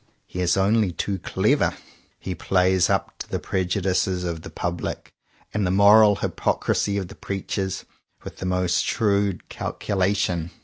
He is only too clever. He plays up to the prejudices of the public and the moral hypocrisy of the preachers, with the most shrewd calcula tion.